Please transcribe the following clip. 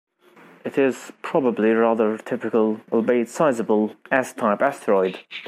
It is probably a rather typical, albeit sizable, S-type asteroid.